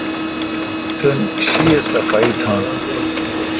تین شی اؘ صفائی تھان۔